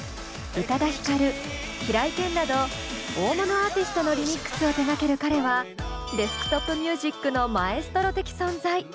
宇多田ヒカル平井堅など大物アーティストのリミックスを手がける彼はＤｅｓｋＴｏｐＭｕｓｉｃのマエストロ的存在。